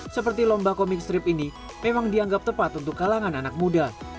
seperti lomba comic strip ini memang dianggap tepat untuk kalangan anak muda